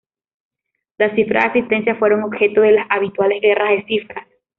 Las cifras de asistencia fueron objeto de las habituales guerras de cifras.